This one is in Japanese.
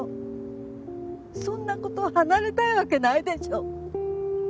そんな子と離れたいわけないでしょ！